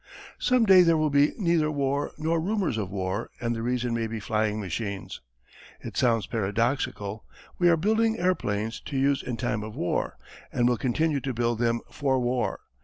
"Some day there will be neither war nor rumours of war, and the reason may be flying machines. "It sounds paradoxical. We are building airplanes to use in time of war, and will continue to build them for war.